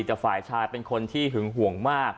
แต่ฝ่ายชายเป็นคนที่หึงห่วงมาก